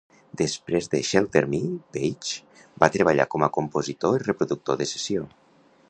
Després de "Shelter me", Page va treballar com a compositor i reproductor de sessió.